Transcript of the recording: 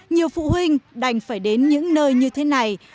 nhiều phụ huynh đành phải đến những nơi như thế này